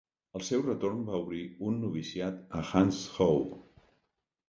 Al seu retorn va obrir un noviciat a Hangzhou.